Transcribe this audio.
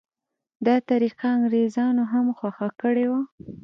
دا طریقه انګریزانو هم خوښه کړې وه.